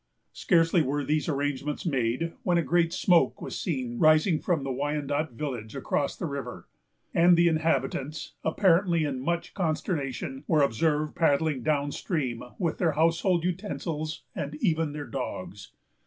Scarcely were these arrangements made, when a great smoke was seen rising from the Wyandot village across the river, and the inhabitants, apparently in much consternation, were observed paddling down stream with their household utensils, and even their dogs.